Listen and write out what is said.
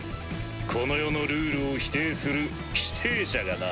この世のルールを否定する否定者がな。